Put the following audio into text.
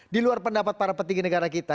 di luar pendapat para petinggi negara kita